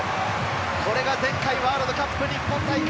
これが前回ワールドカップ日本大会